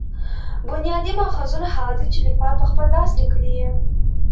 بنیادي ماخذونه هغه دي، چي لیکوال په خپل لاس لیکلي يي.